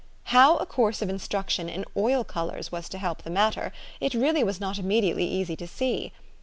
How a course of instruction in oil colors was to help the matter, it really was not immediately easy to see.